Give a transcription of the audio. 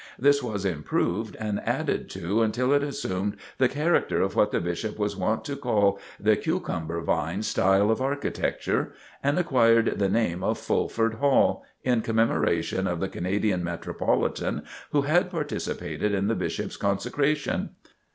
This was improved and added to until it assumed the character of what the Bishop was wont to call "the cucumber vine style of architecture," and acquired the name of Fulford Hall, in commemoration of the Canadian Metropolitan who had participated in the Bishop's consecration.